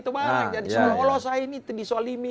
jadi semoga allah saya ini disolimi